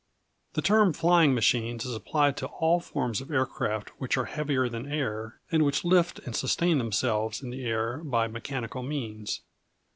The term Flying Machines is applied to all forms of aircraft which are heavier than air, and which lift and sustain themselves in the air by mechanical means.